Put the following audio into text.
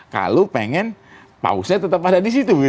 kalau pengen pausnya tetap ada di situ